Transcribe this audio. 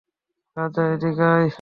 রাজা, এদিক আই।